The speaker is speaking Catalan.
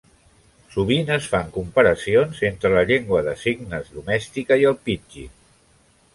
Sovint es fan comparacions entre la llengua de signes domèstica i el pidgin.